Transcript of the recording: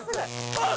あっ！